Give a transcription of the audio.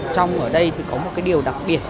trong ở đây thì có một điều đặc biệt